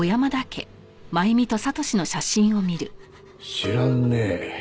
知らんね。